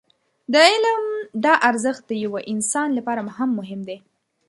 د علم دا ارزښت د يوه انسان لپاره هم مهم دی.